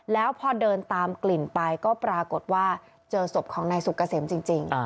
แล้วพอเดินตามกลิ่นไปก็ปรากฏว่าเจอศพของนายสุกเกษมจริง